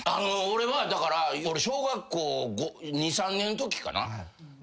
俺はだから小学校２３年のときかな。